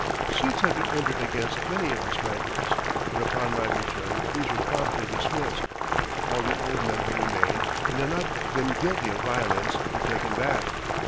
Suits had been entered against many of the strikers, but upon my return these were promptly dismissed. All the old men who remained, and had not been guilty of violence, were taken back.